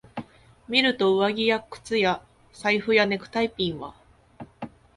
見ると、上着や靴や財布やネクタイピンは、